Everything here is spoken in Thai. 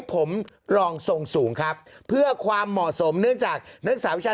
ผมรองทรงสูงครับเพื่อความเหมาะสมเนื่องจากนักศึกษาวิชา